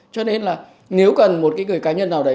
cho nên là nếu cần một cái người cá nhân nào đấy